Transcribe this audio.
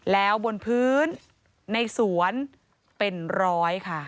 แล้วบนพื้นในสวนเป็นร้อยค่ะ